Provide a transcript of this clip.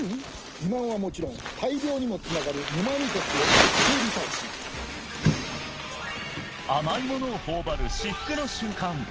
肥満はもちろん大病にもつながる沼味覚を徹底リサーチします甘いものを頬張る至福の瞬間